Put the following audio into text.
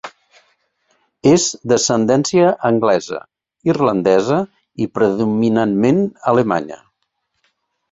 És d'ascendència anglesa, irlandesa i predominantment alemanya.